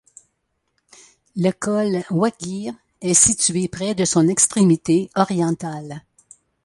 Le col Wakhjir est situé près de son extrémité orientale.